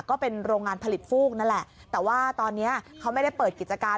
ก็เป็นโรงงานผลิตฟูกนั่นแหละแต่ว่าตอนนี้เขาไม่ได้เปิดกิจการ